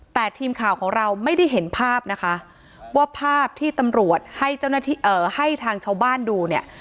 แต่ทีมข่าวของเราไม่ได้เห็นภาพนะคะว่าภาพที่ตำรวจให้ทางชาวบ้านดูเนี่ย